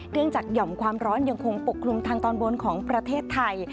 เนื่องจากหย่อมความร้อนยังคงปกคลุมทางตอนบนของประเทศไทย